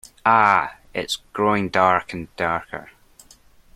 Ah, it is growing dark and darker.